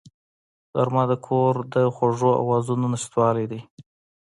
غرمه د کور د خوږو آوازونو نشتوالی دی